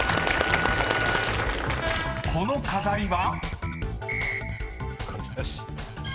［この飾りは？］